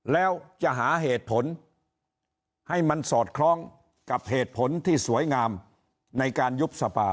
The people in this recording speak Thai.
แล้วจะหาเหตุผลให้มันสอดคล้องกับเหตุผลที่สวยงามในการยุบสภา